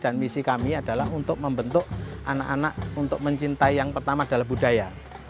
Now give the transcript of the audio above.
dan misi kami adalah untuk membentuk anak anak untuk mencintai yang pertama adalah budaya